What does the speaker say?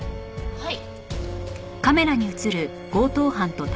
はい！